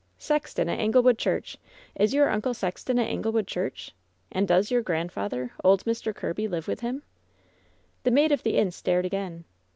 "Sexton at Anglewood church ! Is your uncle sexton at Anglewood church ? And does your grandfather, old Mr. Kirby, live with him ?" The maid of the inn stared again.